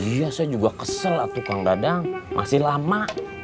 iya saya juga kesel tukang dadang masih lama